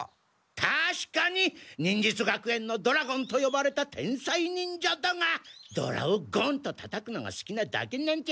確かに忍術学園のドラゴンと呼ばれた天才忍者だがドラをゴンとたたくのが好きなだけなんじゃ。